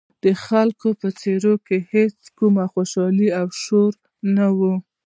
د خلکو په څېرو کې هېڅ کوم خوشحالي او شور نه و.